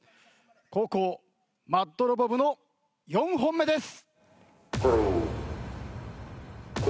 後攻ＭＡＤロボ部の４本目です。